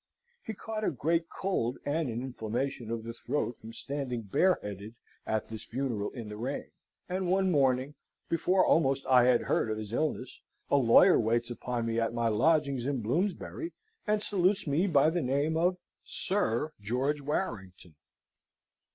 He caught a great cold and an inflammation of the throat from standing bareheaded at this funeral in the rain; and one morning, before almost I had heard of his illness, a lawyer waits upon me at my lodgings in Bloomsbury, and salutes me by the name of Sir George Warrington.